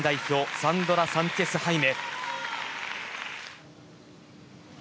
サンドラ・サンチェス・ハイメ。